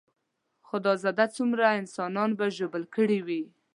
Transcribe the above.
خدا زده څومره انسانان به ژوبل کړي وي.